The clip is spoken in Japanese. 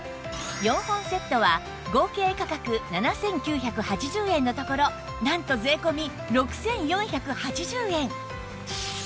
４本セットは合計価格７９８０円のところなんと税込６４８０円